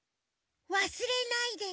「わすれないでね。